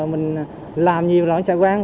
mình làm nhiều lõi xã quán